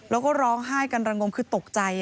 แล้วก็ร้องไห้กำลังกลมคือตกใจ